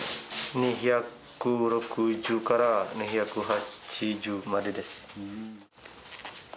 ２６０から２８０までです。